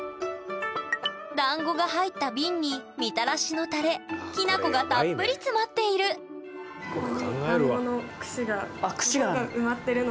だんごが入った瓶にみたらしのタレきな粉がたっぷり詰まっているここにあ串がある。